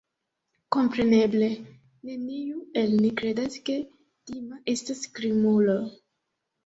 Kompreneble, neniu el ni kredas, ke Dima estas krimulo.